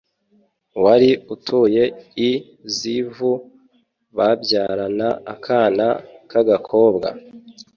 wari utuye i zivu babyarana akana k’agakobwa